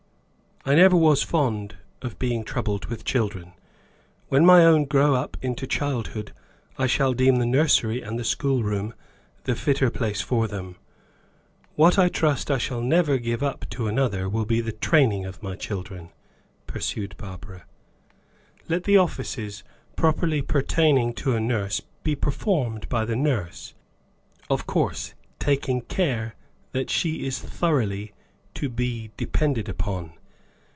I never was fond of being troubled with children. When my own grow up into childhood I shall deem the nursery and the schoolroom the fitter place for them. What I trust I shall never give up to another, will be the training of my children," pursued Barbara. "Let the offices properly pertaining to a nurse be performed by the nurse of course, taking care that she is thoroughly to be depended on.